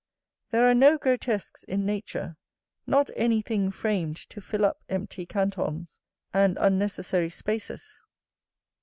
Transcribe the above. There are no grotesques in nature; not any thing framed to fill up empty cantons, and unnecessary spaces.